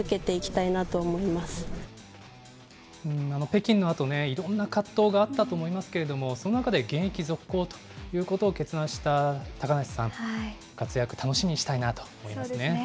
北京のあと、いろんな葛藤があったと思いますけれども、その中で現役続行ということを決断した高梨さん、活躍、そうですね。